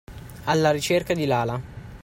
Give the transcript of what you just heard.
Alla ricerca di Lala.